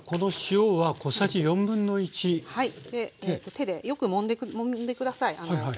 手でよくもんで下さい。